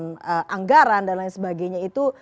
dan soal anggaran dan lain sebagainya itu